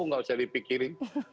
tidak usah dipikirkan